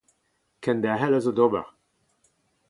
Kenderc'hel a zo d'ober.